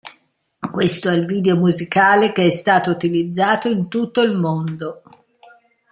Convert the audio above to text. Questo è il video musicale che è stato utilizzato in tutto il mondo.